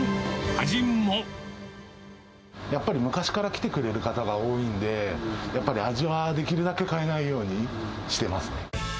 やっぱり昔から来てくれる方が多いんで、やっぱり味はできるだけ変えないようにしていますね。